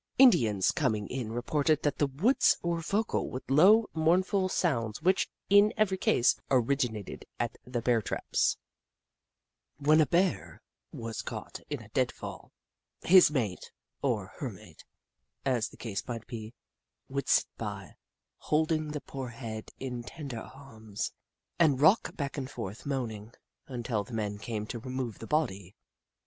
Indians coming in reported that the woods were vocal with low, mournful sounds which, in every case, originated at the Bear traps. 58 The Book of Clever Beasts When a Bear was caught in a deadfall, his mate, or her mate, as the case might be, would sit by, holding the poor head in ten der arms, and rock back and forth, moaning, until the men came to remove the body.